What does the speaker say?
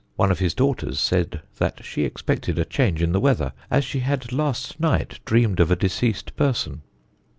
One of his daughters said that she expected a change in the weather as she had last night dreamt of a deceased person."